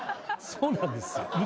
そうなんですよ